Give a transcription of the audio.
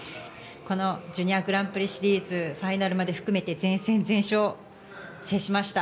このジュニアグランプリシリーズファイナルまで含めて全戦全勝、制しました。